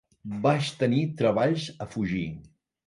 Vaig tenir treballs a fugir.